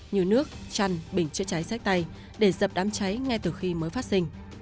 như nước chăn bình chữa cháy sách tay để dập đám cháy ngay từ khi mới phát sinh